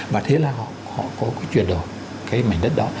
và thế là họ có cái chuyển đổi cái mảnh đất đó